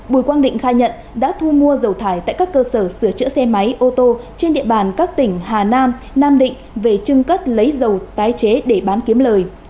bùi quang định khai nhận đã thu mua dầu thải tại các cơ sở sửa chữa xe máy ô tô trên địa bàn các tỉnh hà nam nam định về trưng cất lấy dầu tái chế để bán kiếm lời